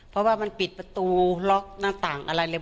เพราะว่ามันปิดประตูล็อกหน้าต่างอะไรเลย